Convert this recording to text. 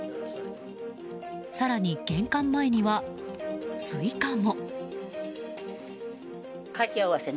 更に、玄関前にはスイカも。